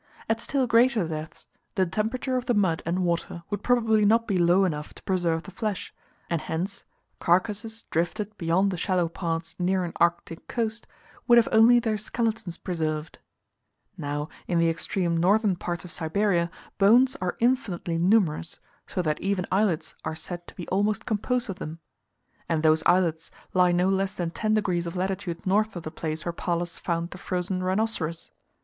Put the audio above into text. At still greater depths, the temperature of the mud and water would probably not be low enough to preserve the flesh; and hence, carcasses drifted beyond the shallow parts near an Arctic coast, would have only their skeletons preserved: now in the extreme northern parts of Siberia bones are infinitely numerous, so that even islets are said to be almost composed of them; and those islets lie no less than ten degrees of latitude north of the place where Pallas found the frozen rhinoceros.